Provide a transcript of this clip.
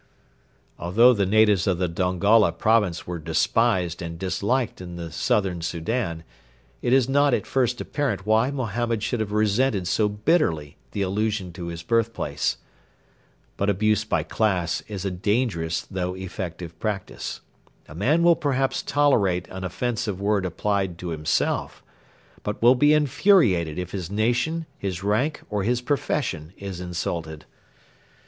Although the natives of the Dongola province were despised and disliked in the Southern Soudan, it is not at first apparent why Mohammed should have resented so bitterly the allusion to his birthplace. But abuse by class is a dangerous though effective practice. A man will perhaps tolerate an offensive word applied to himself, but will be infuriated if his nation, his rank, or his profession is insulted.